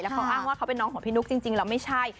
เขาอ้างว่าเขาเป็นน้องของพี่นุ๊กจริงแล้วไม่ใช่